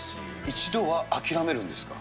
一度は諦めるんですか？